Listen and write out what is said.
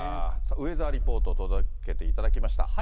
ウェザーリポート、届けていただきました。